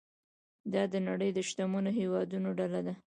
دا د نړۍ د شتمنو هیوادونو ډله ده.